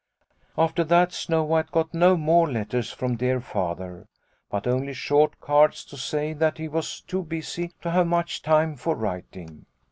After that Snow White got no more letters from dear Father, Snow White 5 1 but only short cards to say that he was too busy to have much time for writing.